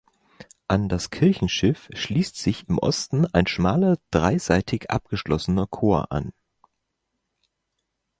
An das Kirchenschiff schließt sich im Osten ein schmaler dreiseitig abgeschlossener Chor an.